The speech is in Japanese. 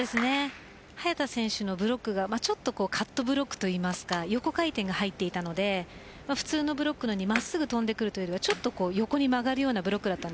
早田選手のブロックがカットブロックといいますか横回転が入っていたので普通のブロックのように真っすぐ飛んでくるよりは横に曲がるようでした。